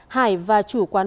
hải và chủ quán